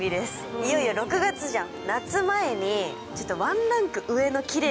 いよいよ６月じゃん。